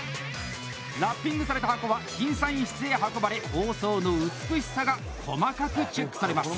ラッピングされた箱は審査員室へ運ばれ包装の美しさが細かくチェックされます！